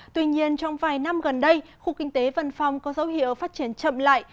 tuy nhiên trong vài năm gần đây khu kinh tế vân phong có dấu hiệu phát triển chậm lại